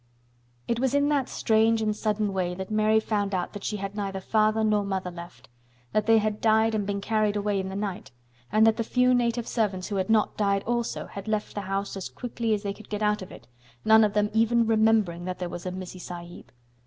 It was in that strange and sudden way that Mary found out that she had neither father nor mother left; that they had died and been carried away in the night, and that the few native servants who had not died also had left the house as quickly as they could get out of it, none of them even remembering that there was a Missie Sahib.